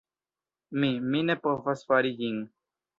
Mi... mi ne povas fari ĝin.